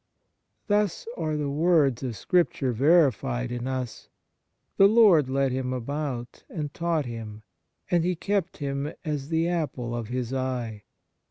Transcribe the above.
Thus are the words of Scripture verified in us: "The Lord led him about, and taught him ; and He kept him as the apple of His eye.